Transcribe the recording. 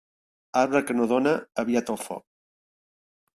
Arbre que no dóna, aviat al foc.